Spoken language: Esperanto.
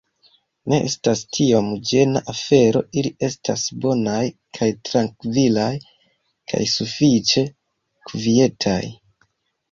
Ne estas tiom ĝena afero ili estas bonaj kaj trankvilaj kaj sufiĉe kvietaj